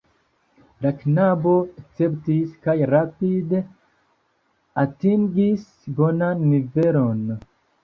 La knabo akceptis, kaj rapide atingis bonan nivelon.